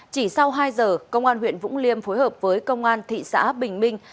chỉ sau hai giờ công an huyện vũng liêm phối hợp với công an thị xã bình minh